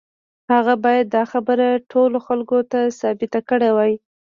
هغه بايد دا خبره ټولو خلکو ته ثابته کړې وای.